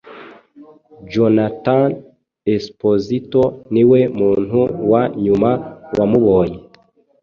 Jonatan Espósito, niwe muntu wa nyuma wamubonye